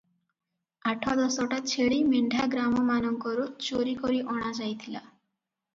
ଆଠ ଦଶଟା ଛେଳି ମେଣ୍ଢା ଗ୍ରାମମାନଙ୍କରୁ ଚୋରି କରି ଅଣାଯାଇଥିଲା ।